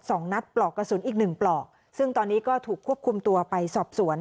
สองนัดปลอกกระสุนอีกหนึ่งปลอกซึ่งตอนนี้ก็ถูกควบคุมตัวไปสอบสวน